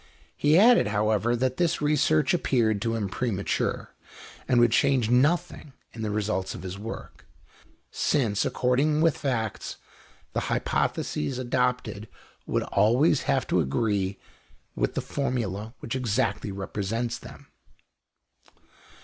He added, however, that this research appeared to him premature, and would change nothing in the results of his work, since, to accord with facts, the hypothesis adopted would always have to agree with the formula which exactly represents them.